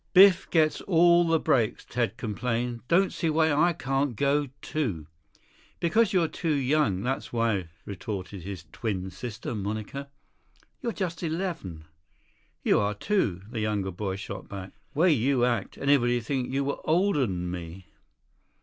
"Biff gets all the breaks," Ted complained. "Don't see why I can't go, too." "Because you're too young, that's why," retorted his twin sister, Monica. "You're just eleven." "You are, too," the younger boy shot back. "Way you act, anybody'd think you were older'n me."